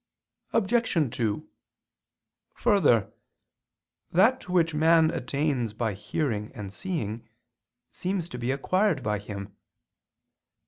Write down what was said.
Obj. 2: Further, that to which man attains by hearing and seeing, seems to be acquired by him.